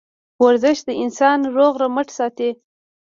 ورزش انسان روغ رمټ ساتي